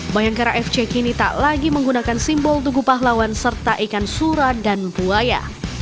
bayangkara fc kini tak lagi menggunakan simbol tugu pahlawan serta ikan sura dan buaya